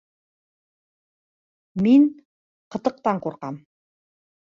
Мин ҡытыҡтан ҡурҡам!